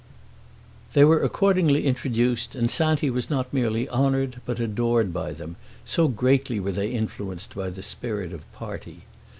They were accordingly introduced, and Santi was not merely honored but adored by them, so greatly were they influenced by the spirit of party.